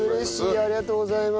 ありがとうございます！